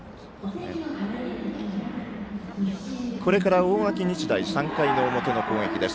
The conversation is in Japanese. これから大垣日大３回の表の攻撃です。